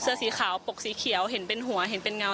สีขาวปกสีเขียวเห็นเป็นหัวเห็นเป็นเงา